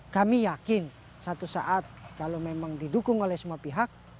kami yakin satu saat kalau memang didukung oleh semua pihak